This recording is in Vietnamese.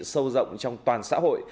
sâu rộng trong toàn xã hội